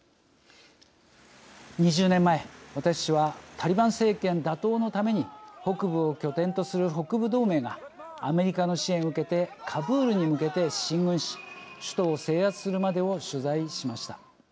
２０年前私はタリバン政権打倒のために北部を拠点とする北部同盟がアメリカの支援を受けてカブールに向けて進軍し首都を制圧するまでを取材しました。